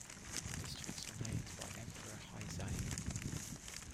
The districts were named by Emperor Heizei.